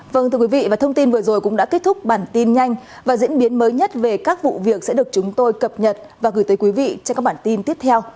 vâng thưa quý vị và thông tin vừa rồi cũng đã kết thúc bản tin nhanh và diễn biến mới nhất về các vụ việc sẽ được chúng tôi cập nhật và gửi tới quý vị trong các bản tin tiếp theo